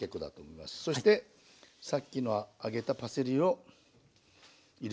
そしてさっきの揚げたパセリを彩りよくね。